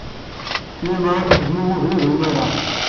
Lemmer ad tezmumgem, ad umareɣ.